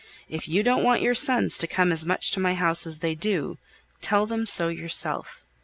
If you don't want your sons to come as much to my house as they do, tell them so yourself.